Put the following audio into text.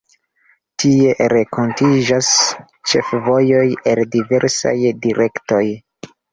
Tie renkontiĝas ĉefvojoj el diversaj direktoj.